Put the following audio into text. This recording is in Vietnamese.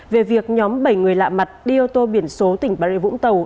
về việc nhóm bảy người lạ mặt đi ô tô biển số tỉnh bà rê vũng tàu